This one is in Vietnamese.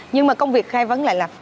nhưng mà công việc khai vấn lại là